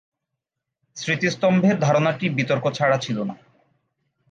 স্মৃতিস্তম্ভের ধারণাটি বিতর্ক ছাড়া ছিল না।